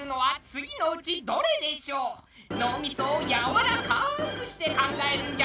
脳みそをやわらかくして考えるんじゃぞ。